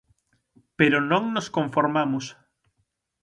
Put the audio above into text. Pero non nos conformamos.